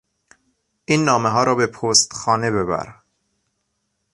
این نامهها را به پستخانه ببر.